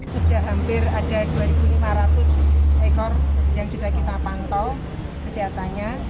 sudah hampir ada dua lima ratus ekor yang sudah kita pantau kesehatannya